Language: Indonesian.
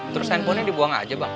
terus handphone nya dibuang aja bang